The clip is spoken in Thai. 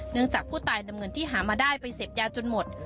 จากผู้ตายนำเงินที่หามาได้ไปเสพยาจนหมด